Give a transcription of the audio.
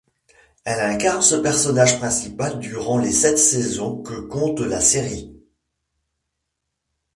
Elle incarne ce personnage principal durant les sept saisons que compte la série.